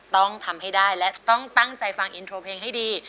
ต้องทำให้ได้และต้องตั้งใจฟังอินโทรเพลงให้ดี